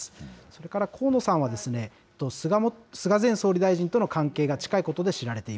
それから河野さんは、菅前総理大臣との関係が近いことで知られて